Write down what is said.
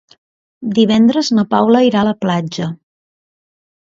Divendres na Paula irà a la platja.